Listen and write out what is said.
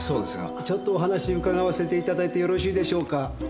ちょっとお話伺わせて頂いてよろしいでしょうか？